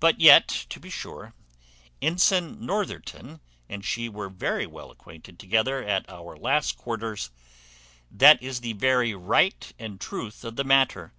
But yet, to be sure, Ensign Northerton and she were very well acquainted together at our last quarters; that is the very right and truth of the matter.